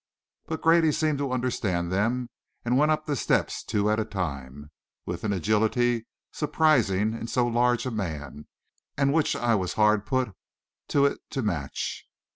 But Grady seemed to understand them, and went up the steps two at a time, with an agility surprising in so large a man, and which I was hard put to it to match.